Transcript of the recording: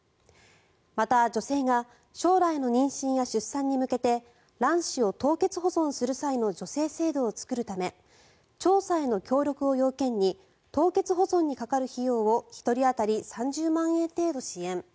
また、女性が将来の妊娠や出産に向けて卵子を凍結保存する際の助成制度を作るため調査への協力を要件に凍結保存にかかる費用を１人当たり３０万円程度支援。